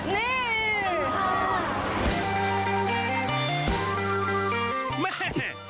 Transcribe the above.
นี่